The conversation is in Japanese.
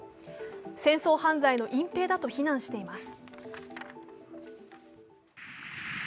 戦争犯罪の隠蔽だと非難しています。